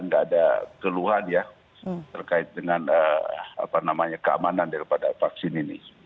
terus saya kira nggak ada keluhan ya terkait dengan apa namanya keamanan daripada vaksin ini